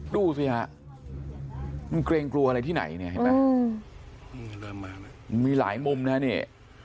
ดูสิฮะมันเกรงกลัวอะไรที่ไหนเนี่ยเห็นไหมมีหลายมุมนะเนี่ย